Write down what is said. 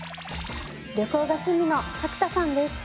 旅行が趣味の角田さんです。